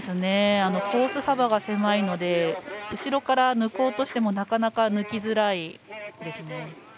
コース幅が狭いので後ろから抜こうとしてもなかなか抜きづらいですね。